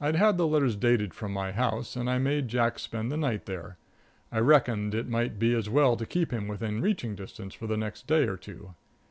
I'd had the letters dated from my house, and I made Jack spend the night there. I reckoned it might be as well to keep him within reaching distance for the next day or two.